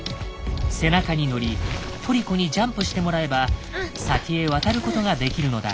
背中に乗りトリコにジャンプしてもらえば先へ渡ることができるのだ。